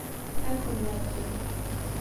Ad ken-nerfed.